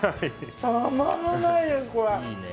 たまらないです、これ。